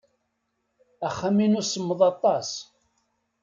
Axxam-inu semmeḍ aṭas.